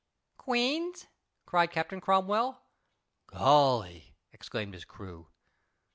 "Queens?" cried Captain Cromwell. "Golly!" exclaimed his crew.